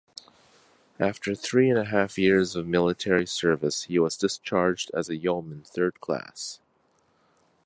After three-and-a-half years of military service, he was discharged as a yeoman third class.